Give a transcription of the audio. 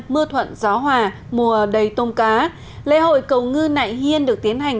mưa thuận gió hòa mùa đầy tôm cá lễ hội cầu ngư nại hiên được tiến hành